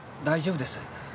大丈夫です。